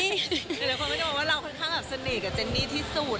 หล่ะคนบอกว่าเราค่อนข้างแบบเสน่ห์กับเจนี่ที่สุด